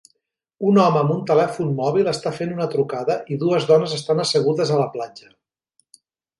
Un home amb un telèfon mòbil està fent una trucada i dues dones estan assegudes a la platja